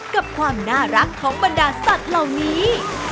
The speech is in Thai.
กับความน่ารักของบรรดาสัตว์เหล่านี้